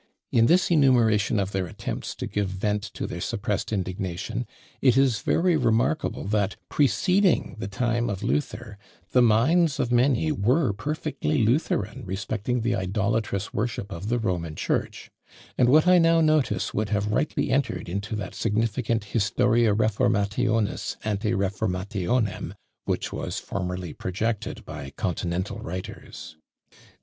In this enumeration of their attempts to give vent to their suppressed indignation, it is very remarkable that, preceding the time of Luther, the minds of many were perfectly Lutheran respecting the idolatrous worship of the Roman Church; and what I now notice would have rightly entered into that significant Historia Reformationis ante Reformationem, which was formerly projected by continental writers.